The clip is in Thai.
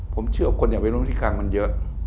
ผมเชื่อว่าคนอยากไปนู่นที่คลังมันเยอะ